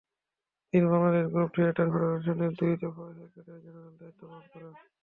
তিনি Bangladesh group theatre ফেডারেশনের দুই দফা সেক্রেটারি জেনারেলের দায়িত্ব পালন করেন।